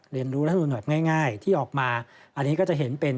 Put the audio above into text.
เรียนรู้รัฐมนุนแบบง่ายที่ออกมาอันนี้ก็จะเห็นเป็น